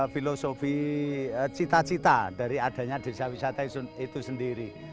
filosofi cita cita dari adanya desa wisata itu sendiri